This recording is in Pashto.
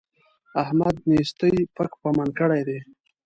احمد نېستۍ پک پمن کړی دی.